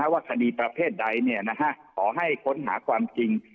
ว่าคดีประเภทใดขอให้ค้นหาความจริง